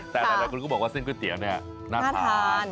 แต่หลายคนก็บอกว่าเส้นก๋วยเตี๋ยวเนี่ยน่าทาน